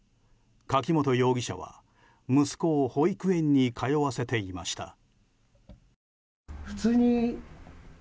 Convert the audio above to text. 柿本容疑者は、息子を保育園に通わせていました。